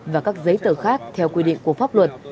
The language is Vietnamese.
và các giấy tờ khác theo quy định của pháp luật